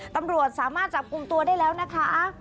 ตำรวจสามารถจับกลุ่มตัวได้แล้วนะคะ